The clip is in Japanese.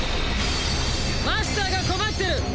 マスターが困ってる！